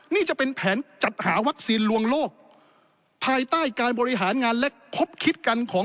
นี่จะเป็นแผนจัดหาวัคซีนลวงโลกภายใต้การบริหารงานและคบคิดกันของ